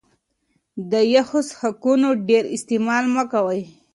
د يخو څښاکونو ډېر استعمال مه کوه